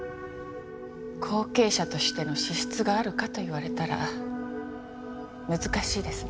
後継者としての資質があるかと言われたら難しいですね。